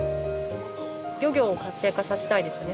漁業を活性化させたいですよね。